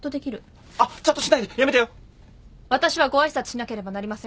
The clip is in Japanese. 私はご挨拶しなければなりません。